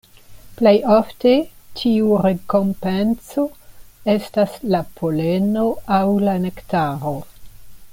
Plej ofte tiu rekompenco estas la poleno aŭ la nektaro.